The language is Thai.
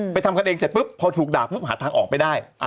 ทำกันเองเสร็จปุ๊บพอถูกด่าปุ๊บหาทางออกไม่ได้